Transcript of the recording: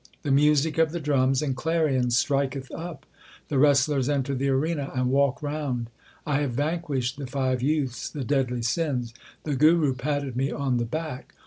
The music of the drums and clarions striketh up ; The wrestlers enter the arena and walk round. I have vanquished the five youths the deadly sins ; the Guru patted me on the back.